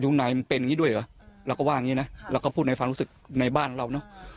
เราก็ว่าอย่างนี้นะเราก็พูดในฟังรู้สึกในบ้านเรา